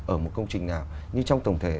ở một công trình nào nhưng trong tổng thể